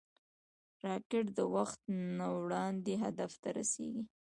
راکټ د وخت نه وړاندې هدف ته رسېږي